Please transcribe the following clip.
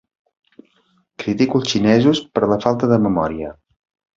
Critico els xinesos per la falta de memòria.